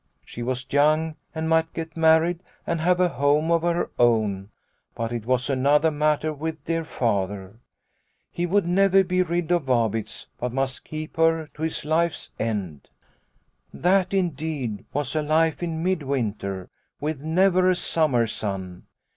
" She was young and might get married and have a home of her own, but it was another matter with dear Father. He would never 56 Liliecrona's Home be rid of Vabitz, but must keep her to his life's end. " That indeed was a life in mid winter with never a summer sun.